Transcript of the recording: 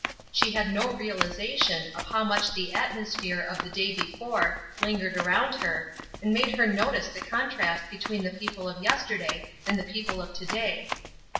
She had no realization of how much the atmosphere of the day before lingered around her, and made her notice the contrast between the people of yesterday and the people of to day.